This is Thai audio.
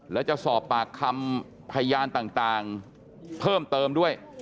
และจะสอบปากคำพยานต่างเพิ่มเติมด้วย